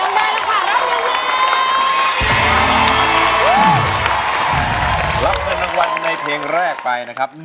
รับเมือนรางวัลในเพลงแรก๙๒